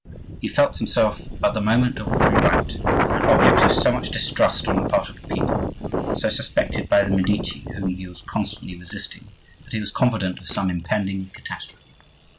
He felt himself, at the moment of which we write, an object of so much distrust on the part of the people and so suspected by the Medici whom he was constantly resisting, that he was confident of some impending catastrophe.